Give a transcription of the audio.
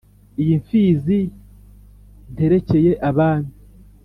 iyi mfizi nterekeye abami